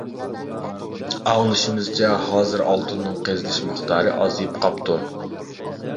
ئاڭلىشىمىزچە، ھازىر ئالتۇننىڭ قېزىلىش مىقدارى ئازىيىپ قاپتۇ.